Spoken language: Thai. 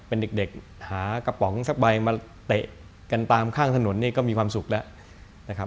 เป็นเด็กหากระป๋องสักใบมาเตะกันตามข้างถนนนี่ก็มีความสุขแล้วนะครับ